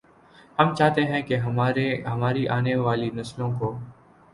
ہم چاہتے ہیں کہ ہماری آنے والی نسلوں کو